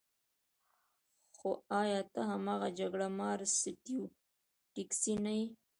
خو ایا ته هماغه جګړه مار سټیو ډیکسي نه یې